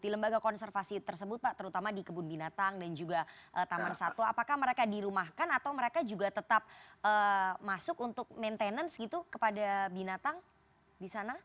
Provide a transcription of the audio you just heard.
di lembaga konservasi tersebut pak terutama di kebun binatang dan juga taman satwa apakah mereka dirumahkan atau mereka juga tetap masuk untuk maintenance gitu kepada binatang di sana